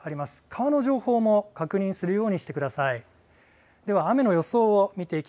川の情報も確認するようにしてください。